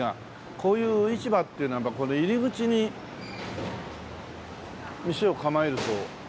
こういう市場っていうのは入り口に店を構えると高いのかな？